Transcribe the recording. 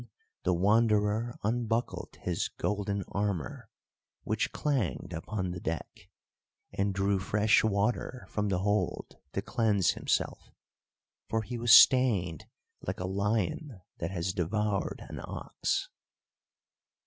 Then the Wanderer unbuckled his golden armour, which clanged upon the deck, and drew fresh water from the hold to cleanse himself, for he was stained like a lion that has devoured an ox.